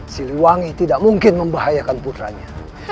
siliwangi tidak mungkin membahayakan putranya